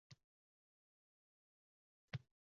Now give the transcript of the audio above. – Hech qachon birovning xaqqini yema!